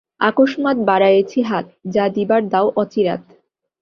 অকস্মাৎ বাড়ায়েছি হাত, যা দিবার দাও অচিরাৎ।